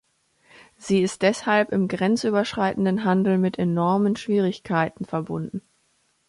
Sie ist deshalb im grenzüberschreitenden Handel mit enormen Schwierigkeiten verbunden.